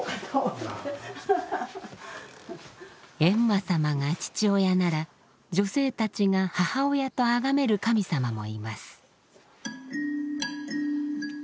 閻魔さまが父親なら女性たちが母親とあがめる神様もいます。